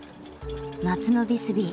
夏のビスビー